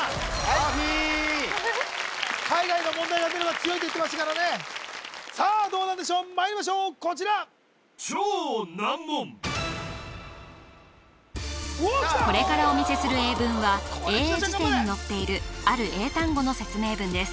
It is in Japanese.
マーフィー「海外の問題が出れば強い」と言ってましたからねさあどうなんでしょうまいりましょうこちらこれからお見せする英文は英英辞典に載っているある英単語の説明文です